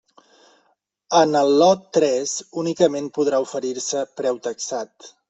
En el lot tres únicament podrà oferir-se preu taxat.